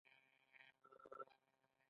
ما پۀ “دلائي” ورته لاهور او لګوو